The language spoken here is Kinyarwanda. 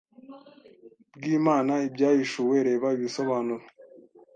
bw Imana Ibyahishuwe reba Ibisobanuro